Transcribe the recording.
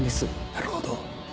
なるほど。